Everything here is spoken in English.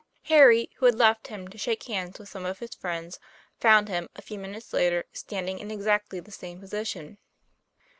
43 Harry, who had left him to shake hands with some of his friends, found him, a few minutes later, stand ing in exactly the same position.